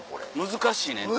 難しいねんて。